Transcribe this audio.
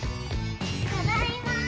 ただいまー！